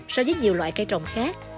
so với nhiều loại cây trồng khác